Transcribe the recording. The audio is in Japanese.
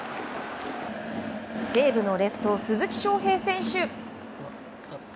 西武のレフト、鈴木将平選手。